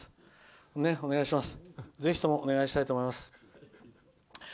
ぜひともお願いしたいと思います。